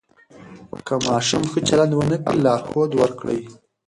که ماشوم ښه چلند ونه کړي، لارښود ورکړئ.